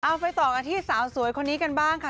ไปต่อกันที่สาวสวยคนนี้กันบ้างค่ะ